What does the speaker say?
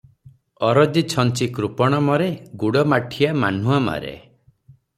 "ଅରଜି ଛଞ୍ଚି କୃପଣ ମରେ ଗୁଡ଼ମାଠିଆ ମାହ୍ନୁଆ ମାରେ ।"